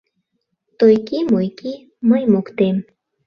Тойки-мойки мый моктем.